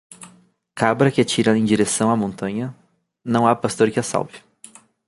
Cabra que atira em direção à montanha, não há pastor que a salve.